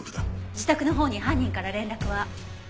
自宅のほうに犯人から連絡は？